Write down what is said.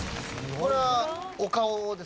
これはお顔ですか？